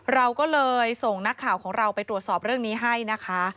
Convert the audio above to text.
เราก็เลยส่งนักข่าวของเราไปตรวจสอบเรื่องนี้ให้นะคะ